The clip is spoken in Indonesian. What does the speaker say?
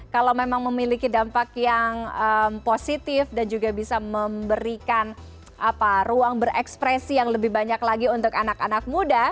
kalau memang memiliki dampak yang positif dan juga bisa memberikan ruang berekspresi yang lebih banyak lagi untuk anak anak muda